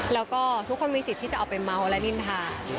แล้วก็ทุกคนมีสิทธิ์ที่จะเอาไปเมาส์และนินทา